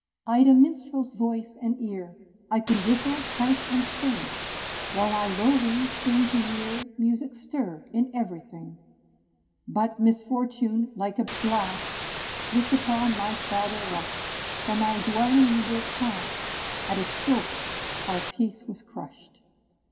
I'd a minstrel's voice and ear: I could whistle, pipe and sing, While I roving, seemed to hear Music stir in every thing. But misfortune, like a blast. Swift upon my father rushed; From our dwelling we were cast At a stroke our peace was crushed.